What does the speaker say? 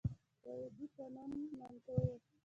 د وادي پنوم نامتو وه.